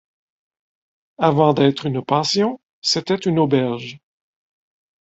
Avant d'être une pension, c'était une auberge.